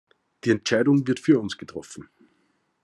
Die Entscheidung wird für uns getroffen.